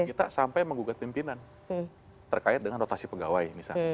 kita sampai menggugat pimpinan terkait dengan rotasi pegawai misalnya